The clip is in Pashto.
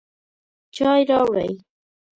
چای راوړئ